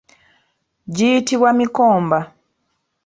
Giyitibwa mikomba.